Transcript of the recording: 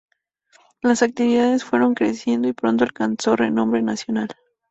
Las actividades fueron creciendo y pronto alcanzó renombre nacional.